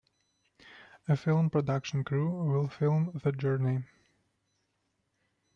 A film production crew will film the journey.